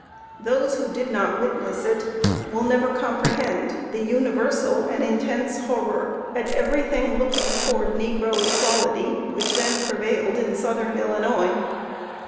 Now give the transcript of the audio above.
Those who did not witness it will never comprehend the universal and intense horror at every thing looking toward "negro equality" which then prevailed in southern Illinois.